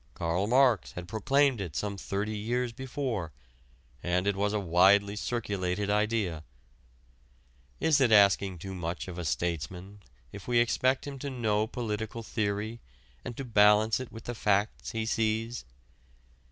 Karl Marx had proclaimed it some thirty years before, and it was a widely circulated idea. Is it asking too much of a statesman if we expect him to know political theory and to balance it with the facts he sees?